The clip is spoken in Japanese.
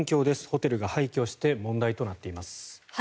ホテルが廃虚して問題となっています。